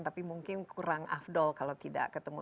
tapi mungkin kurang afdol kalau tidak ketemu